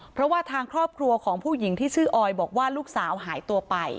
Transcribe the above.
เพราะว่าทางครอบครัวของผู้หญิงที่ชื่อออยบอกว่าลูกสาวหายตัวไป